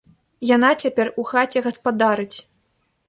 Яна цяпер у хаце гаспадарыць.